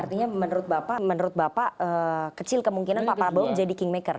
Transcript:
artinya menurut bapak kecil kemungkinan pak prabowo menjadi kingmaker